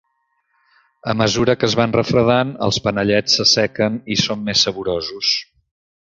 A mesura que es van refredant els panellets se sequen i són més saborosos.